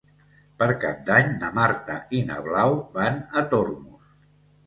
Per Cap d'Any na Marta i na Blau van a Tormos.